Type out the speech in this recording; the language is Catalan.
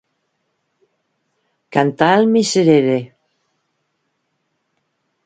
Cantar el miserere.